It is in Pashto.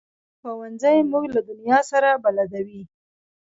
ښوونځی موږ له دنیا سره بلدوي